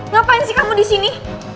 ngapain sih kamu disini